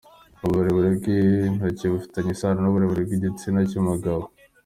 Uburebure bw’intoki bufitanye isano n’uburebure bw’igitsina cy’umugabo